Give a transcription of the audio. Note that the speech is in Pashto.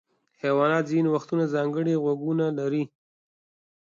حیوانات ځینې وختونه ځانګړي غوږونه لري.